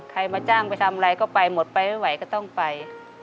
มาจ้างไปทำอะไรก็ไปหมดไปไม่ไหวก็ต้องไป